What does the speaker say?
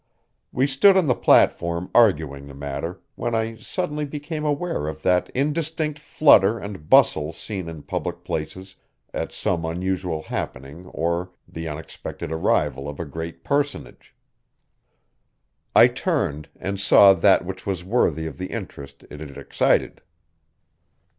We stood on the platform arguing the matter, when I suddenly became aware of that indistinct flutter and bustle seen in public places at some unusual happening or the unexpected arrival of a great personage. I turned and saw that which was worthy of the interest it had excited.